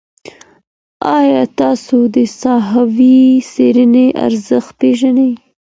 ایا تاسو د ساحوي څېړني ارزښت پېژنئ؟